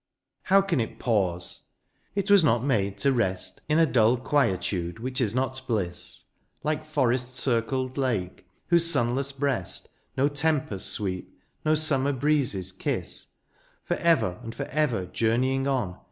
How can it pause ? It was not made to rest In a dull quietude which is not bliss — Like forest circled lake, whose sunless breast No tempests sweep, no summer breezes kiss — For ever, and for ever journeying on.